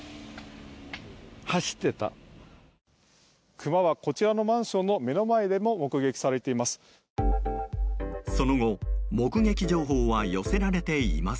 クマはこちらのマンションの目の前でも目撃されています。